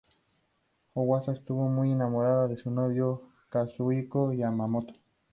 Ogawa está muy enamorada de su novio, Kazuhiko Yamamoto.